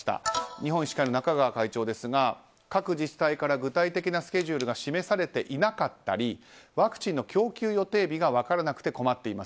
日本医師会の中川会長ですが各自治体から具体的なスケジュールが示されていなかったりワクチンの供給予定日が分からなくて困っています。